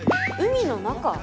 海の中？